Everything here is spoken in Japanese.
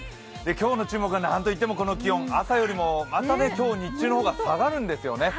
今日の注目は何といってもこの気温、朝よりもまた今日、日中の方が下がるんですよね